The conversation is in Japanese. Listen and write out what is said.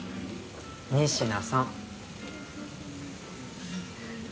仁科さん。